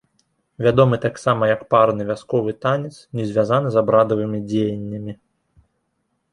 Вядомы таксама як парны вясковы танец, не звязаны з абрадавымі дзеяннямі.